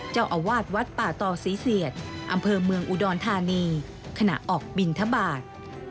เจ้าอาวาสวัดป่าตอศรีเสียดอำเภอเมืองอุดรธานีขณะออกบินทบาท